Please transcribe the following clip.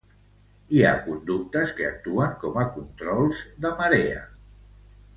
Hi ha conductes que actuen com a controls de marea.